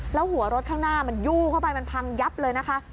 แล้วหัวรถข้างหน้ามันยู่เข้าไปมันพังยับเลยนะคะ